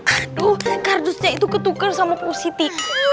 aduh kardusnya itu ketuker sama pusiti